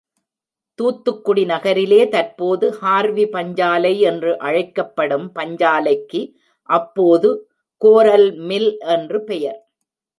தூத்துக்குடி நகரிலே தற்போது ஹார்வி பஞ்சாலை என்று அழைக்கப்படும் பஞ்சாலைக்கு அப்போது கோரல்மில் என்று பெயர்.